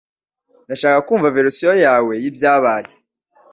Ndashaka kumva verisiyo yawe y'ibyabaye